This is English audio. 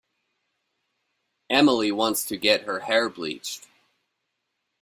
Emily wants to get her hair bleached.